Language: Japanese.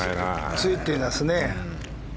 ついてますね。